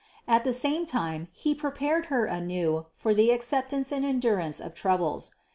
At the same time He prepared Her anew for the acceptance and endurance of troubles.